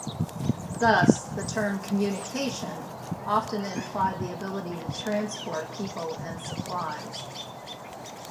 Thus, the term "communication" often implied the ability to transport people and supplies.